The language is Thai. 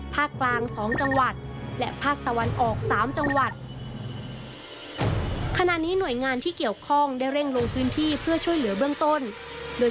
ภาคตะวันออกเชียงเหนือ๔จังหวัด